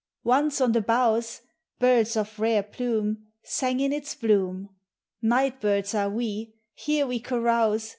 Once on the boughs Birds of rare plume Sang, in its bloom; Night birds are we; Here we carouse.